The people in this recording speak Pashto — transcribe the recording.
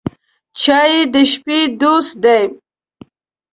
چای د شپې دوست دی.